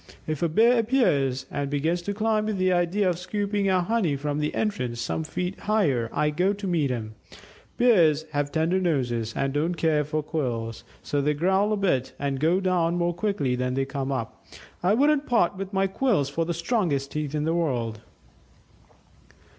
If a Bear appears and begins to climb with the idea of scooping out honey from the entrance some feet higher, I go to meet him; Bears have tender noses, and don't care for quills. So they growl a bit and go down more quickly than they came up ... I wouldn't part with my quills for the strongest teeth in the world."